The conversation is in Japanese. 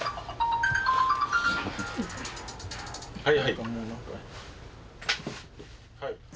はいはい。